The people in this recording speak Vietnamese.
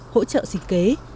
hỗ trợ sinh kế